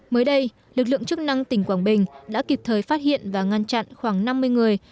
mới đây lực lượng chức năng tỉnh quảng bình đã kịp thời phát hiện và ngăn chặn khoảng năm mươi người